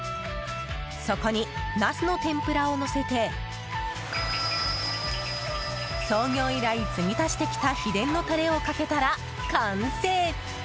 そこにナスの天ぷらをのせて創業以来、継ぎ足してきた秘伝のタレをかけたら完成。